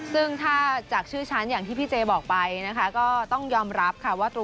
ซึ่งถ้าจากชื่อฉันอย่างที่พี่เจบอกไปนะคะก็ต้องยอมรับค่ะว่า